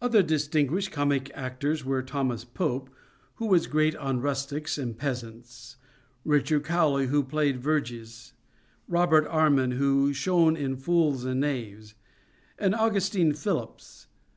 Other distinguished comic actors were Thomas Pope, who was great on rustics and peasants ; Richard Cowley, who played Verges ; Robert Armin, who shone in fools and knaves ; and Augustine Phillips.